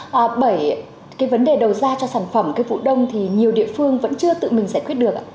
bởi vấn đề đầu ra cho sản phẩm cây vụ đông thì nhiều địa phương vẫn chưa tự mình giải quyết được